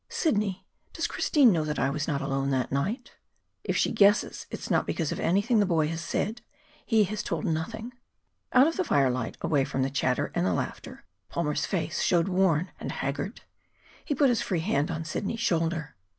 "Sidney, does Christine know that I was not alone that night?" "If she guesses, it is not because of anything the boy has said. He has told nothing." Out of the firelight, away from the chatter and the laughter, Palmer's face showed worn and haggard. He put his free hand on Sidney's shoulder.